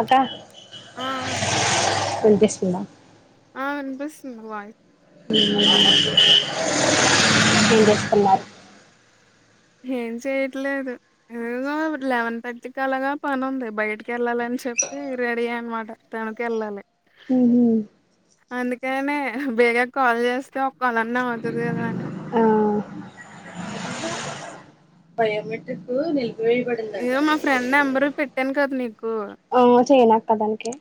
అక్క ఆ వినిపిస్తుందా ఆ వినిపిస్తుంది వాయ్ ఇ ఉమ్ హాన్నాద్ ఏం చేయట్లేదు ఇగో లెవెన్ థర్టీకి అలాగా పని ఉంది బయటికి వెళ్ళాలని చెప్పి రెడీ అయ్య అనమాట తనకి వెళ్ళాలి ఉ హుమ్ అందుకనే బేగ కాల్ చేస్తే ఒకపనాన్న అవుతుది కదా అని ఆ [inaudible] బయోమెట్రిక్ న ఇగో మా ఫ్రెండ్ నెంబర్ పెట్టాను కదా నీకు ఆ చేయనక్క దానికి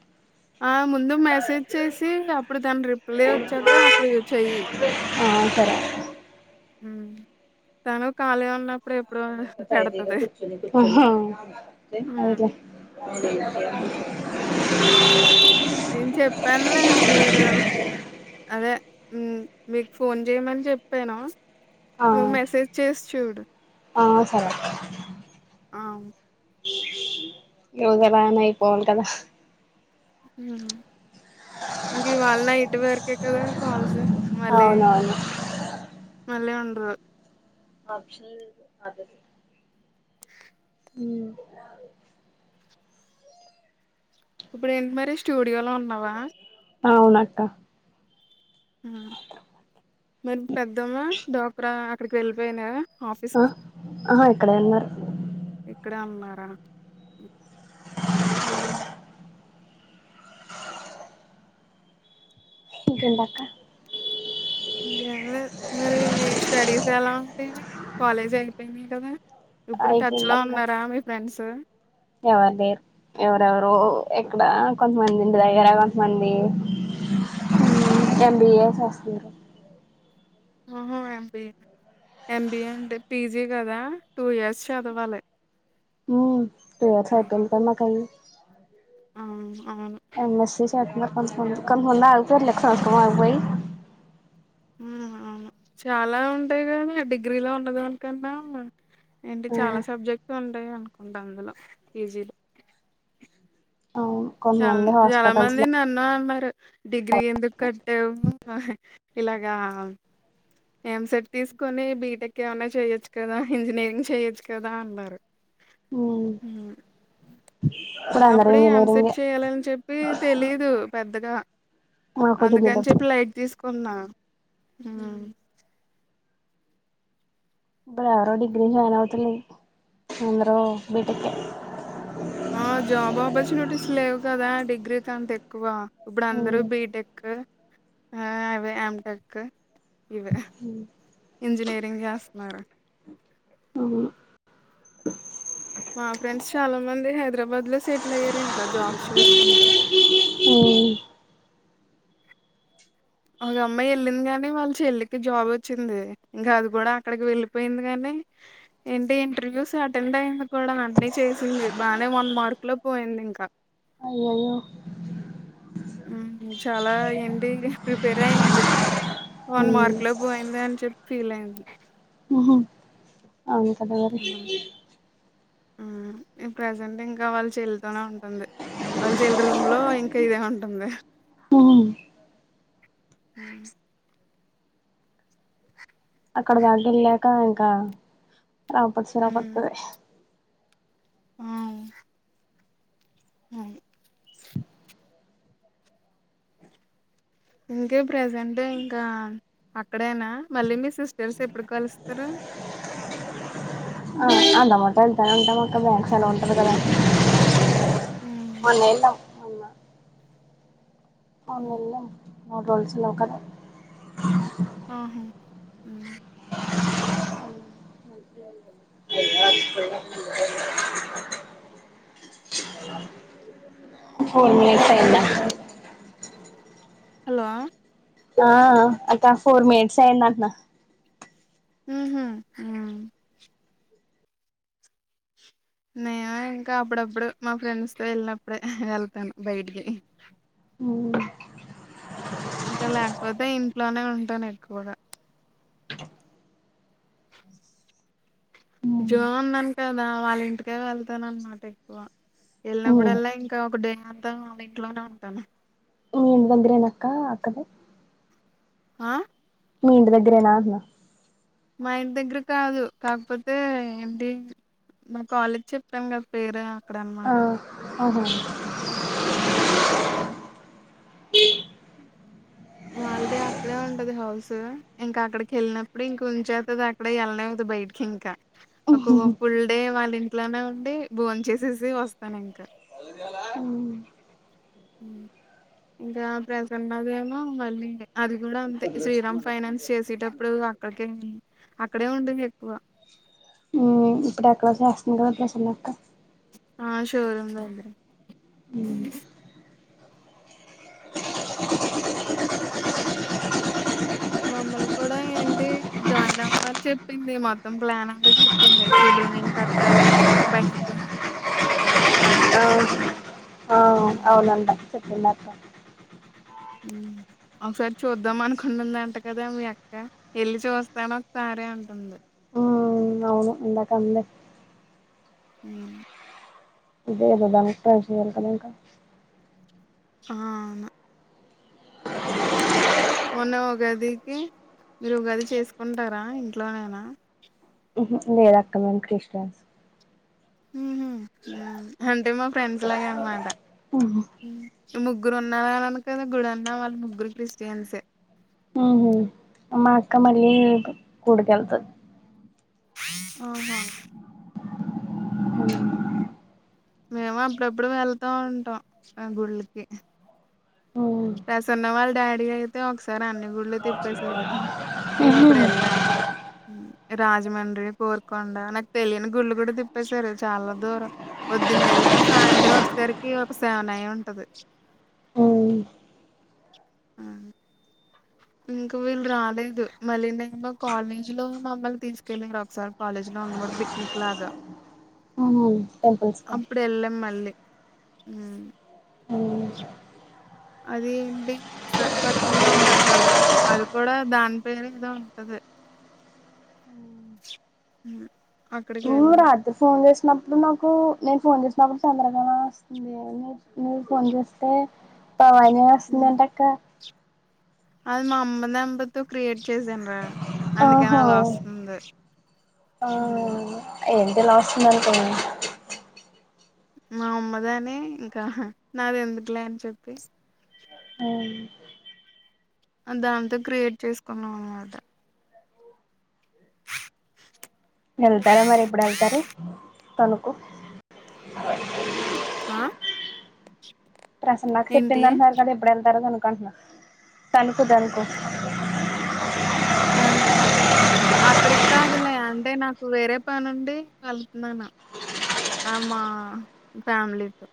ఆ ముందు మెసేజ్ చేసి అప్పుడు దాని రిప్లై వచ్చాక అప్పుడు చెయ్యి [inaudible] తను కాళీ ఉన్న యిదిగా కుర్చునీ కూర్చునీ ఆహా ఉమ్, అయిదిలే [inaudible] నేను చెప్పానులే మీరు అదే ఉమ్ మీకు ఫోన్ చేయమని చెప్పాను ఆ మెసేజ్ చేసి చూడు ఆ సరే ఆ ఎవగ దాన అయిపోవాల కదా ఉమ్ ఈ వాళ్ళ నైట్ వరకే కదా కాల్స్ మళ్ళే అవునవును మళ్ళె ఉం ఆ ఆప్షనల్ అదది ఉమ్ ఇప్పుడు ఎమ్మరెస్ట్ స్టడ్ డియాలో ఉన్నావా అవునక్క మరి పెద్దమ్మా డోక్రా అక్కడికి వెళ్ళిపోయినా ఆఫీస్ ఆ కి ఆహా ఇక్కడే ఉన్నారు ఇక్కడే ఉన్నారా అ ఇంకేటక్క ఇంకేంలేదు మరి మీ స్టడీస్ ఎలా ఉంటాయి కాలేజీ అయిపోయినాయి కదా ఇప్పుడు టచ్ లో అయిపోయిందక్క ఉన్నారా మీ ఫ్రెండ్స్ ఎవరు లేరు ఎవరెవరు ఎక్కడ కొంతమంది ఇంటి దగ్గర కొంతమంది ఎం బి ఏ సాస్ ఇంకా ఆహా M B A M B A అంటే పీ జీ కదా టూ ఇయర్స్ చదవాలి ఉమ్మ్ టూ ఇయర్స్ అయిపోయిన [unintelligible] అవును అవును అ మా సిస్ [unintelligible] కన్ఫర్మ్ గా అవుతారు లే [unintelligible] ఐపోయి ఉమ్మ్ అవును చాలా ఉంటాయి గాని డిగ్రీలో ఉన్నదాని కన్నా ఏంటి చాలా సబ్జెక్ట్ ఉన్ టాయి అనుకుంటా అందులో పీ జీ లో అవును చాల్ కొంతమంది చాలా హాస్పిటల్స్ మంది లో నన్ను అన్న టు డిగ్రీ ఎందుకు కట్టావ్వు ఇలాగా ఎం సెట్ తీసుకొని బీటెక్ ఏమనా చెయొచ్చు కదా ఇంజనీరింగ్ చెయొచ్చు కదా అన్నారు ఉమ్మ్ ఇప్పుడు అందరూ అప్పుడే ఇంజనీరింగ్ ఎంసెట్ ఏ చెయ్యాలని చెప్పి తెలిదు పెద్దగా మాకు అందుకని తెలియనప్పుడు చెప్పి లైట్ తీసుకున్నా ఉమ్మ్ ఇప్పుడు ఎవరూ డిగ్రీ జాయిన్ అవుతులేదు అందరు బీటెక్ ఏ ఆ జాబ్ ఆపర్చునిటీస్ లేవు కదా డిగ్రీకి అంత ఎక్కువ ఇప్పుడు అందరు బీటెక్కు ఆ అవే ఎంటెక్కు ఇవే ఇంజినీరింగ్ చేస్తన్నారు మా ఫ్రెండ్స్ చాలా మంది హైదరాబాద్ లో సెటిల్ అయ్యారు ఇన్ కా జాబ్స్ చేసుకుంటూ ఏ ఒక అమ్మాయి ఎళ్ళింది కాని వాళ్ళ చెల్లికి జాబ్ వచ్చింది ఇంకా అది కూడా అక్కడికి వెళ్ళిపోయింది గానీ ఏంటి ఇంటర్వ్యూస్ అటెండ్ అయింది కూడా అన్నీ చేసింది బానే వన్ మార్కు లో పోయింది ఇంక అయ్యయ్యో ఉమ్మ్ చాలా ఏంటి ప్రిపేర్ అయింది వన్ మార్క్ లో పోయింది అని చెప్పి ఫీల్ అయింది అవును కదా మరి ప్రజెంట్ ఇంకా వాళ్ళు చెల్లి తోనే ఉంటుంది వాళ్ళు చెల్లి రూమ్ లో ఇంకా ఇదే ఉంటుంది మరి అక్కడ దాకెళ్ళాక ఇంక రాపత్సు రాపత్తుదే ఆవ్ అవును ఇంకేం ప్రెసెంటు ఇంకా అక్కడేనా మళ్ళీ మీ సిస్టర్స్ ఎప్ ప్పుడు కలుస్తరు ఎలా ఉంటాం అక్క బ్యాక్స్ ఎలా ఉంటుది కదా హ్మ్. మొన్నఏలం మొన్న అవును హ్మ్. నిన్నే మొబైల్స్ లోకా ఆహా ఉమ్ అయా [unintelligible] ఫోన్ మిస్ అయిదా హలో ఆ అక్క ఫోర్ మినిట్స్ అయిందంటన్నా హ్మ్మ్ హామ్ నేను ఇంకా అప్పుడప్పుడు మా ఫ్రెండ్స్ త వెళ్ళినప్పుడే వెళ్తాను బయటికి ఇంకా లేకపోతే ఇంట్లోనే ఉంటాను ఎక్కువగా జో ఉన్నాను కదా వాళ్ళ ఇంటికే వెళ్తాన అన్నమాట ఎక్కువ ఉమ్ వెళ్ళినప్పుడల్లా ఇంకా ఒక డే అంతా వాళ్ళ ఇంట్లోనే ఉంటాను మీ ఇంటి ముద్రెనక్క అక్కది ఆ మీ ఇంటి దగ్గరేనా అంటన్నా మా ఇంటి దగ్గర కాదు కాకపోతే ఏంటి మ కాలేజ్ చెప్పాం కదా పేరా ఆ ఆహ వాళ్ళదె అక్కడే ఉంటది హౌస్ ఇంకా అక్కడికి వెళ్ళినప్పుడు ఇంక ఉంచేతది అక్కడే వెళ్ళనే అవుతుంది బయటికి ఇంకా ఒక ఫుల్ డే మ ఇంట్లోనే ఉండి భోన్ చేసేసి వస్తాను ఇంకా ఉమ్ ఇంకా ప్రసన్న అదేమో మళ్ళీ అది కూడా శ్రీరామ్ ఫైనాన్స్ చేసేటప్పుడు అక్కడికే అక్కడే ఉంటంది ఎక్కువ ఇంగ వట్లా సన్నాక్క ఆ షోరూమ్ ద అండి ఉమ్ మమ్మల్లు కూడా ఏంటి జాయిన్ అవనని చెప్పింది మొత్తం ప్లాన్ అంతా చెప్పింది త్రిబుల్ నైన్ కట్టాలి బయక్ అవ ఆ చెప్పి ఉమ్. అవునంట చెపిందక్క ఒకసారి చూద్దాం అనుకుంటుంది అంట కదా మీ అక్క వెళ్ళి చూస్తాను ఒకసారి అంటుంది మ్మ్ అవును ఇందాక అంది ఉమ్ ఇదేగదా అంతా విషయాల కద ఇంకా ఆ ఆనా మొన్న ఉగాదికి మీరు ఉగాది చేసుకుంటారా ఇంట్లోనేనా లేదు అక్క మేము క్రిస్టిన్స్ ఉహు. ఉమ్ అంటే మా ఫ్రెండ్స్ లాగె అన్నమాట ముగ్గురు ఉన్నరు అన్నాను కదా వాళ్ళు ముగ్గురు క్రిస్టియన్సే ఉహు మా అక్క మళ్ళీ గుడుకెళ్తది ఓహా అవు మేము అప్పుడప్పుడు వెళ్తా ఉంటాం ఆ గుళ్ళకి మ్మ్ ప్రసన్న వాళ్ళ డాడీ అయితే ఒకసారి అన్ని గుళ్లు తిప్పేసాడు నీవు అప్పుడు ఎల్లామ్ రాజమండ్రి కోర్కొండ నాకు తెలియని గుళ్ళు గూడా తిప్పేశారు చాలా దూరం పొద్దున్న ఎల్లాం సాయంత్రం వచ్చేసరికి ఒక సెవెన్ అయి ఉంటది మ్మ్ ఆ ఇంకా వీళ్ళు రాలేదు మళ్ళీ నే కాలేజ్ లో మమ్మల్ని తీసుకెళ్ళలి ఒకసారి కాలేజ్ లో ఉన్నప్పుడు పిక్నిక్ లాగా టెంపుల్స్కా హ్మ్ అది ఏంటి విశాఖపట్నంలో ఉంటది కదా అది కూడా దాని పేరు ఏదో ఉంటది అక్కడికి నువ్వ్ వెళ్ళిన రాత్రి ఫోన్ చేస్ వినప్పుడు నాకు నేను ఫోన్ చేసినప్పుడు చంద్రకళా వస్తుంది న నువ్వు ఫోన్ జేస్తే పవాని ఉమ్. వస్తుందంటక్క అది మా అమ్మ నెంబతో క్రియేట్ చేసాను రా అందుకని ఆహా అలా వస్తుంది హ్మ్ ఎంటి ఇలా వస్తొంది అనుకున్న మా అమ్మదని ఇంకా నాది ఎందుకులే అని చెప్పి దాంతో క్రియేట్ చేసుకున్నాం అనమాట వెళ్తారా మరి ఎప్పుడు ఎళ్తారు కనుకొ ఆ ప్రసన్నాకు ఏంటి చెప్పింద అంటన్నారు కదా ఎప్పుడు ఎళ్తారో కను కంట్నా కనుక్కొ కనుక్కొ కనుక్కొ అక్కడికి కాదులే అంటే నాకు వేరే పనుండి వెళ్తున్నాను ఆ మా ఫ్యామిలీతో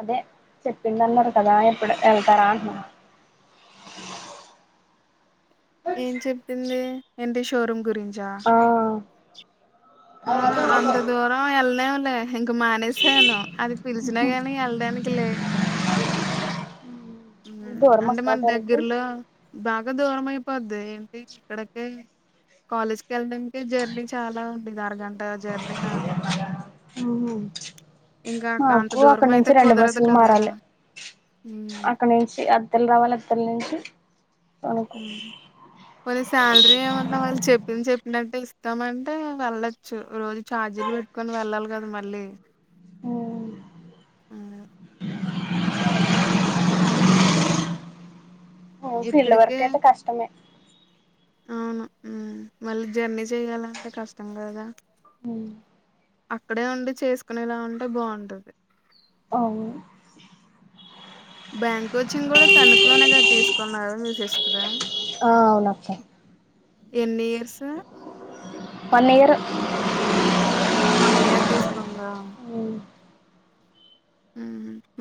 అదే చెప్పింద అన్నారు కదా ఎప్పుడు వెళ్తారా అంట్నా ఏం చెప్పింది ఎంటి షోరూమ్ గురిం ఆ ఆ అంత దూరం వెళ్ళనేములే ఇంక మానేసాను అది పిలిచినా గానీ ఎళ్ళడానికి లేదు హ్మ్ దూరమా అంటే అక్క మన తణుకు దగ్గర్లో బాగా దూరం అయిపోద్ది ఏంటి ఇక్కడకే కాలేజ్కి వెళ్ళడానికే జర్నీ చాలా ఉండేది అరగంట అ జర్నీ నాది ఉహు ఇంకా అంత మాకు దూరం అక్కడ అయితే నుంచి రెండు కుదరదు బస్సులు కదా మారాలి అత్తిల్లు రావాలి అత్తిలి నుంచి తణుకు పొని శాలరీ ఏమన్నా వాళ్ళు చెప్పింది చెప్పి చెప్పినట్టే ఇస్తామంటే వెళ్ళచ్చు రోజు ఛార్జీలు పెట్టుకొని వెళ్ళాలి కదా మళ్ళీ ఉమ్ మ్ ఫీల్డ్ వర్క్ ఇక్కడికే అయితే కష్టమే అవును మళ్ళీ జర్నీ చేయాలంటే కష్టం కదా మ్ అక్కడే ఉండి చేసుకునేలా ఉంటే బావుంటది అవును బ్యాంక్ కోచింగ్ కూడా తణుకులోనె కదా తీసుకున్నారు మీ సిస్టర్ ఆ అవునక్క ఎన్ని years one year one year తీసుకుందా ఉమ్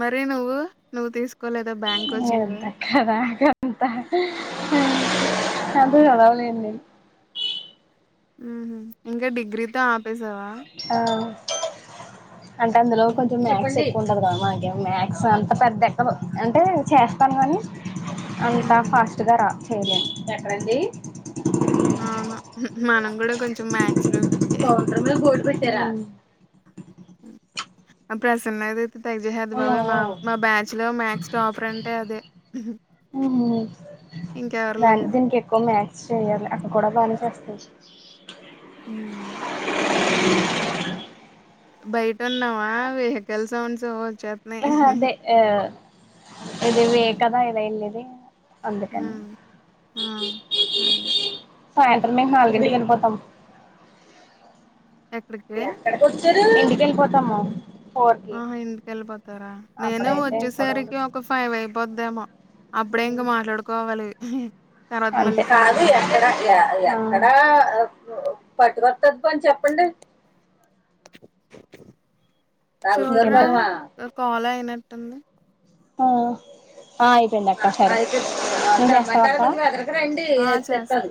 మరీ నువ్వు నువ్వు తీసుకోలే ఎంత అక్క దాకంత అంత చదవలేనులె మ్.. ఇంకా డిగ్రీతో ఆప్ ఆ అంటే అందులో మ్మ్ కొంచెం మ్యాథ్స్ ఎక్కువ ఉం ది మాకే మొ మ్యాక్స్ అంత పెద్ద ఎక్కదు అంటే చేస్తాను గానీ అంతా ఫాస్ట్ గ రాదు సరే ఎక్కడండీ ఆ మనం కూడా కొంచెం మ్యాథ్స్ లో వీకె పెట్టెరా అప్పుడుసన్నది తెగజెహెద్ది ఆ బాబొయ్ ఆ మ బ్యాచ్ లో మ్యాథ్స్ టాపర్ అంటే అదే ఇంకెవరు దానికి లేరు దీనికి ఎక్కువ మ్యాథ్స్ చేయాలి అక్క కూడా బానే చేస్తది మ్మ్. బయట ఉన్నావా వెహికల్ సౌండ్స్ అవి ఆ అదే ఆ ఇది వే కదా ఇలా ఎల్లేది హ.. ఆ... అదే సాయంత్రం మేము నాలుగింటికి వెళ్ళిపోతాం ఇంటికెలిపోతా మ [unintelligible] ఆహ ఇంటిక వెళ్ళిపోతారా నేను అప్పుడైతే కూడా వచ్చేసరికి ఒక ఫైవ్ అయి పొద్దెమొ అప్పుడే ఇంక మాట్లాడుకోవాలి [unintelligible] మళ్ళీ అంతే ఖాళీ కాదు ఉం ఎడక్క హ్మ్. అ ఆ ప పట్టుకొత్తను పోన్ చెప్పండి తాగుతూరు చూడ్రా పదమా కాాల్ అయిన టుంది ఆ ఆ అయిపోందక్క సరే హ్మ్. ఏం అంటావ్ ఆ! చేస్తా అక్క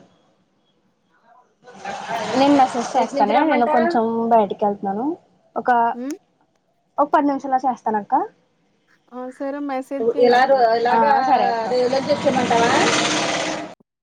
నిను మే స్ జ్ చేస్తాను నిను కొంచెం బయటికేళ్తూన్నను ఒక హ్మ్. ఒక పది నిమిషాళ్ళో చేస్తానక్క ఆ! సరే మెసేజ్ చెయ్యి అప్పుడు. ఆ సరే ఆ! అక్క బాయ్.